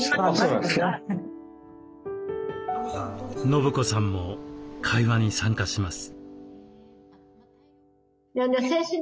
伸子さんも会話に参加します。